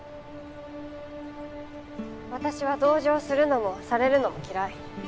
私は同情するのもされるのも嫌い。